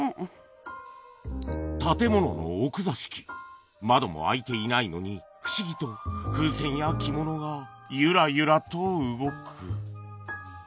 建物の奥座敷窓も開いていないのに不思議と風船や着物がゆらゆらと動く